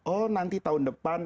oh nanti tahun depan